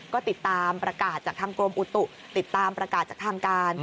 ก็ติดตามประกาศจากทางกรมอุตุติดตามประกาศจากทางการ